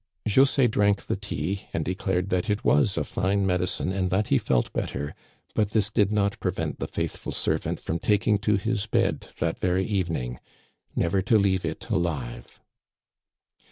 José drank the tea, and declared that it was a fine medicine and that he felt better, but this did not pre vent the faithful servant from taking to his bed that very evening never to leave it alive.